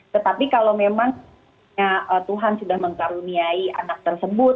tetapi kalau memang tuhan sudah mengkaruniai anak tersebut